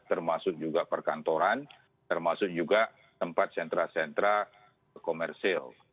termasuk juga perkantoran termasuk juga tempat sentra sentra komersil